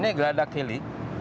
ini geladak heli